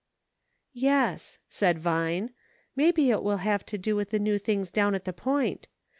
" Yes," said Vine ;" maybe it will have to do with the new things down at the Point.